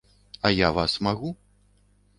А я вас магу?